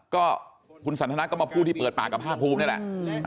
ก็คุณสันทนาก็มาพูดที่เปิดปากกับภาคภูมินี่แหละ